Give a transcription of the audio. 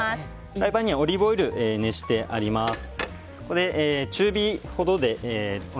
フライパンにはオリーブオイルを熱してあります。